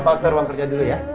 bapak akhlar ruang kerja dulu ya